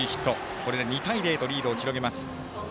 これで２対０とリードを広げます。